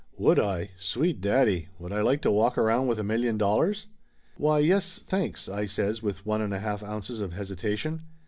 Would I? Sweet daddy! Would I like to walk around with a million dollars! "Why, yes, thanks," I says with one and one half ounces of hesitation.